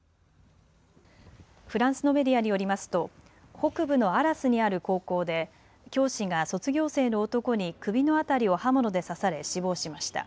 フランスのメディアによりますと北部のアラスにある高校で教師が卒業生の男に首の辺りを刃物で刺され死亡しました。